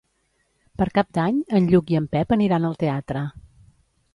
Per Cap d'Any en Lluc i en Pep aniran al teatre.